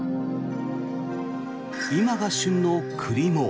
今が旬の栗も。